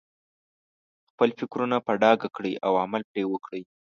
خپل فکرونه په ډاګه کړئ او عمل پرې وکړئ.